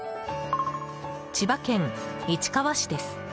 千葉県市川市です。